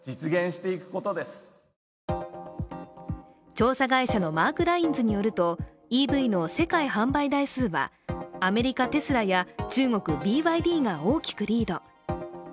調査会社のマークラインズによるとＥＶの世界販売台数はアメリカ・テスラや中国・ＢＹＤが大きくリード。